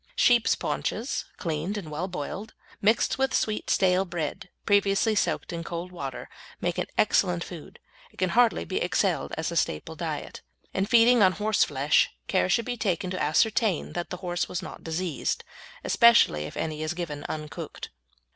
Sheep's paunches, cleaned and well boiled, mixed with sweet stale bread, previously soaked in cold water, make an excellent food and can hardly be excelled as a staple diet. In feeding on horseflesh care should be taken to ascertain that the horse was not diseased, especially if any is given uncooked.